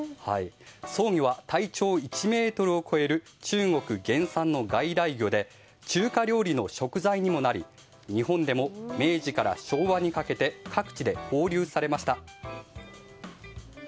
ソウギョは体長１ｍを超える中国原産の外来魚で中華料理の食材にもなり日本でも明治から昭和にかけて各地で放流されました。